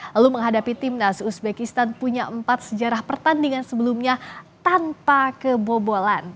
lalu menghadapi timnas uzbekistan punya empat sejarah pertandingan sebelumnya tanpa kebobolan